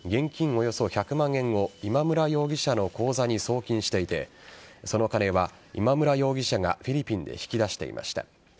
およそ１００万円を今村容疑者の口座に送金していてその金は、今村容疑者がフィリピンで引き出していました。